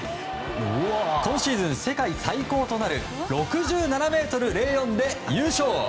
今シーズン世界最高となる６７ｍ０４で優勝。